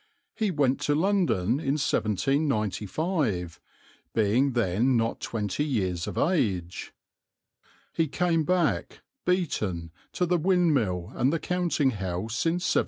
He went to London in 1795, being then not twenty years of age. He came back, beaten, to the windmill and the counting house in 1797.